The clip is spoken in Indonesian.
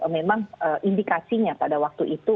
memang indikasinya pada waktu itu